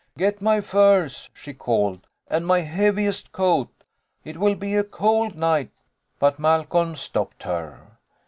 "Get my furs," she called, "and my heaviest coat. It will be a cold night." But Malcolm stopped her.